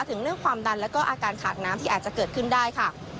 ถึงเรื่องความดันแล้วก็อาการขาดน้ำที่อาจจะเกิดขึ้นได้ค่ะ